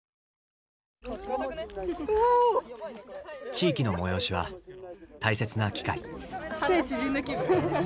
地域の催しは大切な機会。